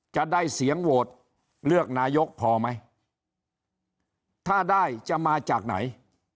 จะได้เสียงโหวตเลือกนายกพอไหมถ้าได้จะมาจากไหน